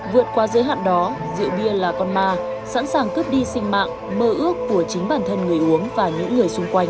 vượt qua giới hạn đó rượu bia là con ma sẵn sàng cướp đi sinh mạng mơ ước của chính bản thân người uống và những người xung quanh